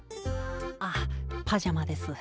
あっパジャマです。